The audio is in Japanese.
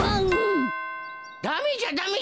ダメじゃダメじゃ。